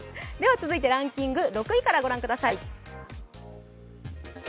続いて、ランキング６位から御覧ください。